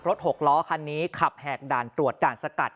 หกล้อคันนี้ขับแหกด่านตรวจด่านสกัด